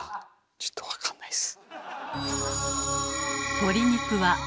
ちょっと分かんないっす。